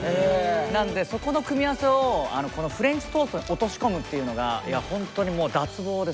なんでそこの組み合わせをこのフレンチトーストに落とし込むっていうのが本当にもう脱帽ですね。